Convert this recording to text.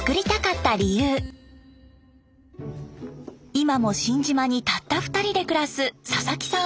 今も新島にたった２人で暮らす佐々木さん